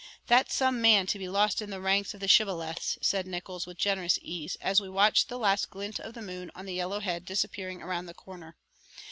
"That's some man to be lost in the ranks of the shibboleths," said Nickols with generous ease, as we watched the last glint of the moon on the yellow head disappearing around the corner.